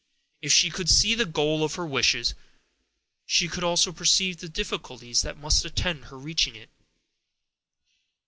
If she could see the goal of her wishes, she could also perceive the difficulties that must attend her reaching it.